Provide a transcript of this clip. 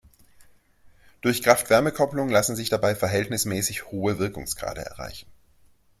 Durch Kraft-Wärme-Kopplung lassen sich dabei verhältnismäßig hohe Wirkungsgrade erreichen.